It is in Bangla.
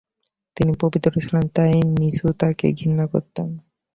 তিনি পবিত্র ছিলেন, তাই নীচুতাকে ঘৃণা করতেন।